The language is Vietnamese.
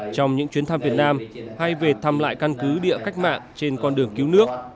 trong những chuyến thăm việt nam hay về thăm lại căn cứ địa cách mạng trên con đường cứu nước